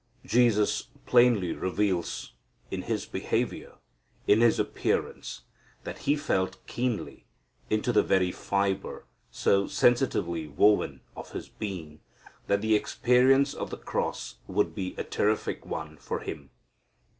Jesus plainly reveals in His behavior, in His appearance, that He felt keenly, into the very fibre, so sensitively woven, of His being, that the experience of the cross would be a terrific one for Him.